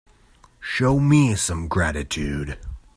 Show me some gratitude.